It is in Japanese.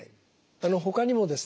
ほかにもですね